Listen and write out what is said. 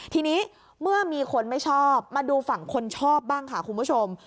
ทีนี้เมื่อมีคนไม่ชอบมาดูฝั่งคนชอบบ้างค่ะคุณผู้ชม